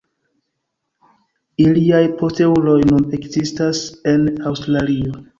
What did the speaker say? Iliaj posteuloj nun ekzistas en Aŭstralio.